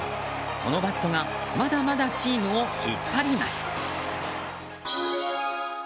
そのバットがまだまだチームを引っ張ります。